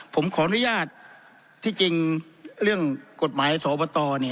ผมขออนุญาตที่จริงเรื่องกฎหมายสวบต